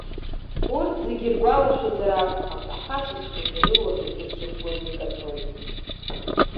Урҭ зегьы ргәалашәазар акәхап, ахацәаҵәҟьагьы, рылаӷырӡ рҿыкәкәаны икаҭәоит.